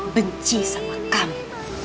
benci sama kamu